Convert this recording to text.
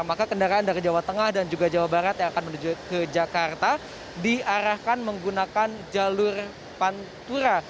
maka kendaraan dari jawa tengah dan juga jawa barat yang akan menuju ke jakarta diarahkan menggunakan jalur pantura